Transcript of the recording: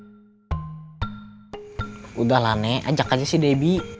sudahlah nenek ajak aja si debbie